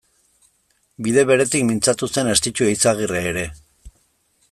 Bide beretik mintzatu zen Estitxu Eizagirre ere.